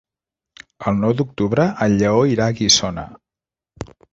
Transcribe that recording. El nou d'octubre en Lleó irà a Guissona.